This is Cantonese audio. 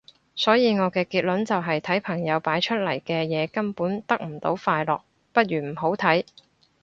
所以我嘅結論就係睇朋友擺出嚟嘅嘢根本得唔到快樂，不如唔好睇